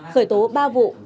khởi tố ba vụ